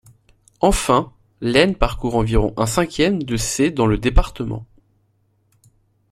Enfin, l'Aisne parcourt environ un cinquième de ses dans le département.